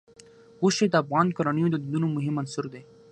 غوښې د افغان کورنیو د دودونو مهم عنصر دی.